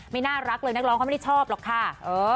ไม่น่ารักเลยนักร้องเขาไม่ได้ชอบหรอกค่ะ